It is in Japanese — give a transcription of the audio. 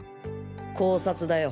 絞殺だよ。